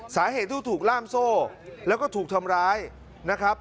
สาเหตุที่ถูกล่ามโซ่แล้วก็ถูกทำร้ายนะครับ